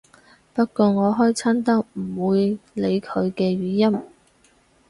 不過我開親都唔會理佢嘅語音